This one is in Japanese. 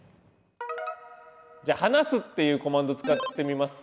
じゃあ「はなす」っていうコマンド使ってみます。